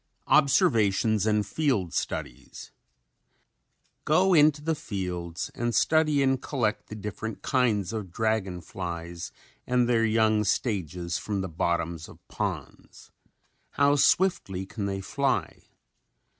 ] OBSERVATIONS AND FIELD STUDIES Go into the fields and study and collect the different kinds of dragon flies and their young stages from the bottoms of ponds. How swiftly can they fly?